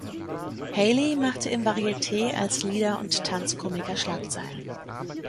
Haley machte im Varieté als Lieder- und Tanzkomiker Schlagzeilen.